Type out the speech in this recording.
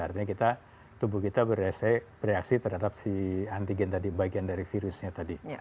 artinya kita tubuh kita bereaksi terhadap si antigen tadi bagian dari virusnya tadi